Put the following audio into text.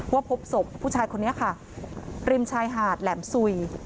ว่าพบศพผู้ชายคนนี้ริมชายหาดแหลมซุย